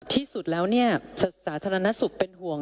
ที่สุดแล้วสาธารณสุขเป็นห่วง